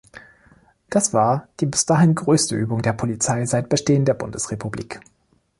Das war die bis dahin größte Übung der Polizei seit Bestehen der Bundesrepublik.